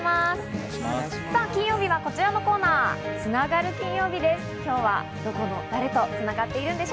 金曜日はこちらのコーナー、つながる金曜日です。